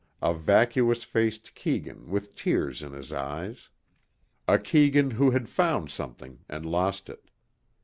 A vacuous faced Keegan with tears in his eyes. A Keegan who had found something and lost it.